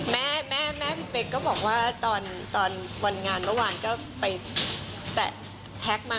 แม่แม่พี่เป๊กก็บอกว่าตอนวันงานเมื่อวานก็ไปแปะแท็กมา